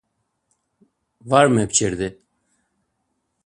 Var mep̌ç̌irdi!